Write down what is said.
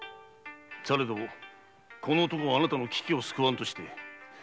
されどこの男はあなたの危機を救わんとして。